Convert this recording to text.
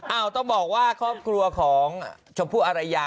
ต้องบอกว่าครอบครัวของชมพู่อารยา